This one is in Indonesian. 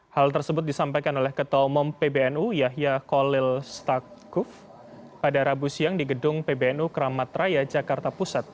hal tersebut disampaikan oleh ketua umum pbnu yahya kolil stakuf pada rabu siang di gedung pbnu keramat raya jakarta pusat